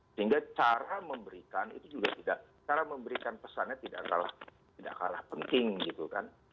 sehingga cara memberikan itu juga tidak cara memberikan pesannya tidak kalah penting gitu kan